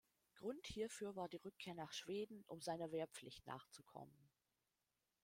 Grund hierfür war die Rückkehr nach Schweden, um seiner Wehrpflicht nachzukommen.